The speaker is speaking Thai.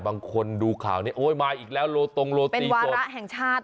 บางคนดูข่าวนี้โอ้ยมาอีกแล้วโรตงโรตีจบเป็นวาระแห่งชาติ